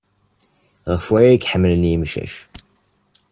Ɣef waya ay k-ḥemmlen yemcac.